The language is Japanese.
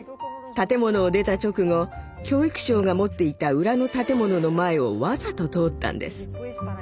建物を出た直後教育省が持っていた裏の建物の前をわざと通ったんです。